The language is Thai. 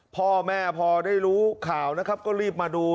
พ่อแม่พอได้รู้ข่าวนะครับก็รีบมาดู